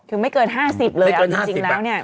คือไม่เกิน๕๐เลยเอาจริงแล้วเนี่ย